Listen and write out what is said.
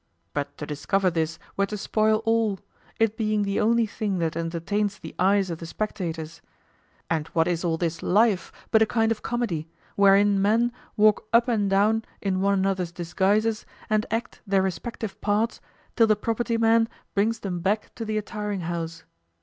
But to discover this were to spoil all, it being the only thing that entertains the eyes of the spectators. And what is all this life but a kind of comedy, wherein men walk up and down in one another's disguises and act their respective parts, till the property man brings them back to the attiring house.